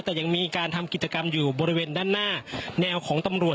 แต่ยังมีการทำกิจกรรมอยู่บริเวณด้านหน้าแนวของตำรวจ